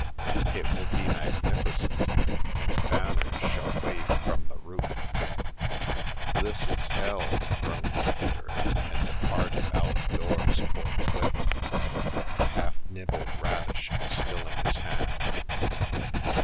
It will be magnificent, and ban ners shall wave from the roof !"" This is hell," groaned Peter, and departed out of doors forthwith, a half nibbled radish still in his hand.